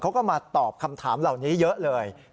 เขาก็มาตอบคำถามเหล่านี้เยอะเลย